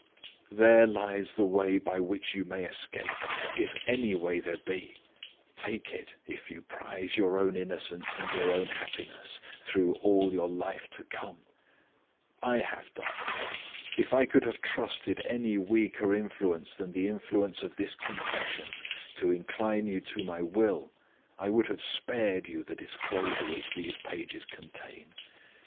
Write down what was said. "There lies the way by which you may escape if any way there be. Take it, if you prize your own innocence and your own happiness, through all your life to come! "I have done. If I could have trusted any weaker influence than the influence of this confession to incline you to my will, I would have spared you the disclosure which these pages contain.